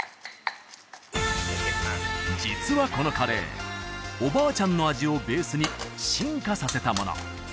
実はこのカレーおばあちゃんの味をベースに進化させたもの